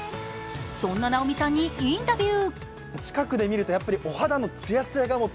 そんな直美さんにインタビュー。